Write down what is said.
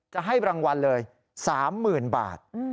จะให้รางวัลเลย๓๐๐๐บาท